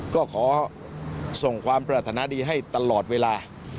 ก็ขอส่งความปรารถนาดีให้ตลอดเวลา